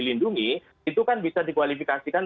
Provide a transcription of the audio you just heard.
lindungi itu kan bisa dikualifikasikan